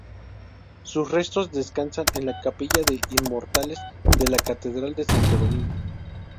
Sus restos descansan en la capilla de inmortales de la catedral de Santo Domingo.